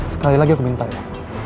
sekali lagi aku minta ya